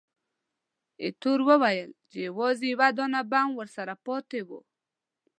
ایټور وویل چې، یوازې یو دانه بم ورسره پاتې وو.